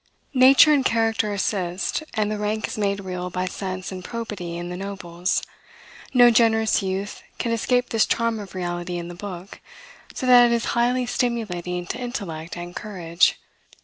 Nature and character assist, and the rank is made real by sense and probity in the nobles. No generous youth can escape this charm of reality in the book, so that it is highly stimulating to intellect and courage.